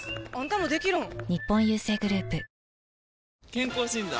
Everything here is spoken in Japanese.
健康診断？